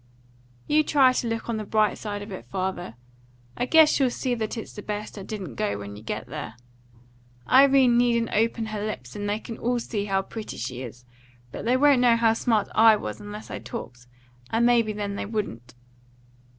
"You try to look on the bright side of it, father. I guess you'll see that it's best I didn't go when you get there. Irene needn't open her lips, and they can all see how pretty she is; but they wouldn't know how smart I was unless I talked, and maybe then they wouldn't."